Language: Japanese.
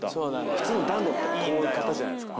普通、暖炉ってこういう形じゃないですか。